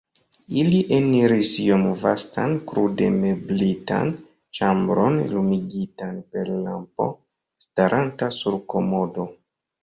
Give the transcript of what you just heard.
Ili eniris iom vastan, krude meblitan ĉambron, lumigitan per lampo staranta sur komodo.